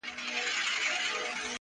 o راکوه سونډي خو دومره زیاتي هم نه,